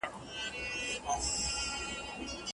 که ته په املا کي هره ورځ خپله یوه تېروتنه.